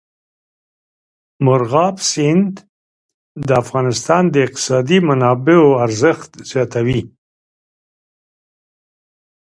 مورغاب سیند د افغانستان د اقتصادي منابعو ارزښت زیاتوي.